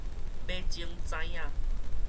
尾指指仔